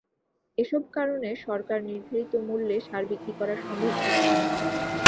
এসব কারণে সরকার নির্ধারিত মূল্যে সার বিক্রি করা সম্ভব হচ্ছে না।